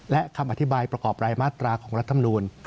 และคำอธิบายประกอบรายมาตราของรัฐมนูล